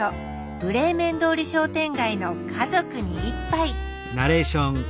ブレーメン通り商店街の「家族に一杯」